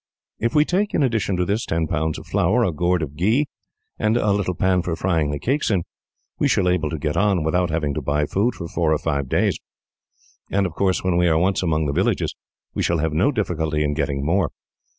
"If we take, in addition to this, ten pounds of flour, a gourd of ghee, and a little pan for frying the cakes in, we shall be able to get on, without having to buy food, for four or five days; and of course, when we are once among the villages, we shall have no difficulty in getting more.